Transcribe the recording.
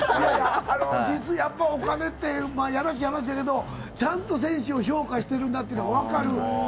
やっぱりお金ってやらしい話だけど、ちゃんと選手を評価してるなっていうのが分かる。